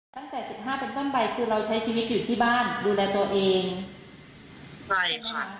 ตั้งแต่๑๕ปันตั้งใบกูเราใช้ชีวิตอยู่ที่บ้านดูแลตัวเอง